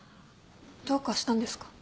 どうかしたんですか？